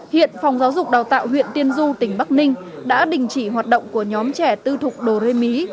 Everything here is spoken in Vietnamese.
hiện phòng giáo dục đào tạo huyện tiên du tỉnh bắc ninh đã đình chỉ hoạt động của nhóm trẻ tư thục đồ rê mí